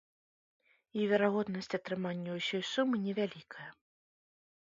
І верагоднасць атрымання ўсёй сумы невялікая.